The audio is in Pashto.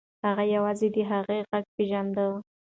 هغه یوازې د هغې غږ پیژانده.